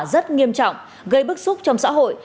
rất nghiêm trọng gây bức xúc trong xã hội